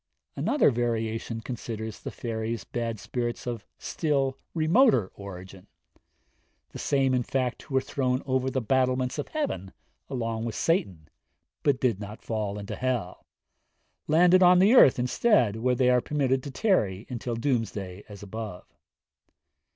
Another variation considers the fairies bad spirits of still remoter origin the same in fact who were thrown over the battlements of heaven along with Satan, but did not fall into hell landed on the earth instead, where they are permitted to tarry till doomsday as above.